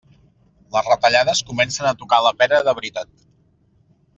Les retallades comencen a tocar la pera de veritat.